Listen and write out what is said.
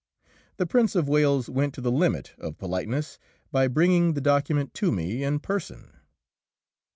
The Prince of Wales went to the limit of politeness by bringing the document to me in person.